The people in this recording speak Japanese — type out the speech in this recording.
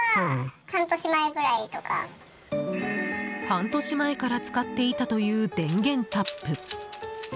半年前から使っていたという電源タップ。